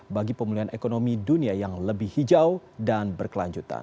bagi pemulihan ekonomi dunia yang lebih hijau dan berkelanjutan